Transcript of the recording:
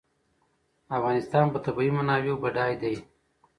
افغانستان په طبیعي منابعو بډای دی.